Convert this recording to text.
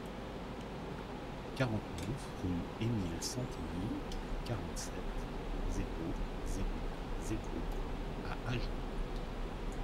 quarante-neuf rue Emile Sentini, quarante-sept, zéro zéro zéro à Agen